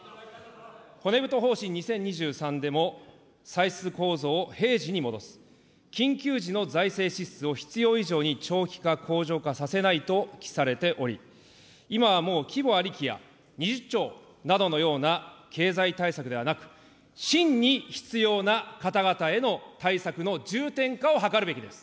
骨太方針２０２３でも歳出構造を平時に戻す、緊急時の財政支出を、必要以上に長期化、恒常化させないと記されており、今はもう規模ありきや、２０兆などのような経済対策ではなく、真に必要な方々への対策への重点化を図るべきです。